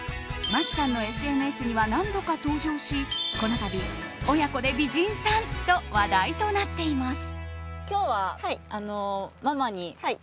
麻希さんのＳＮＳには何度か登場しこの度、親子で美人さんと話題となっています。